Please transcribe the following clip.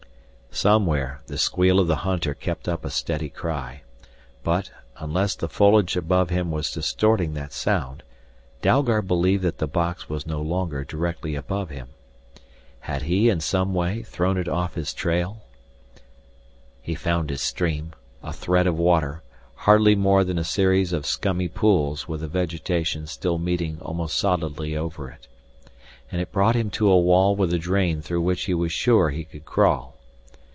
Somewhere the squeal of the hunter kept up a steady cry, but, unless the foliage above him was distorting that sound, Dalgard believed that the box was no longer directly above him. Had he in some way thrown it off his trail? He found his stream, a thread of water, hardly more than a series of scummy pools with the vegetation still meeting almost solidly over it. And it brought him to a wall with a drain through which he was sure he could crawl.